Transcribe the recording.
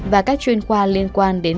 và các chuyên khoa liên quan đến